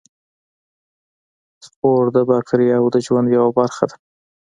سپور د باکتریاوو د ژوند یوه برخه ده.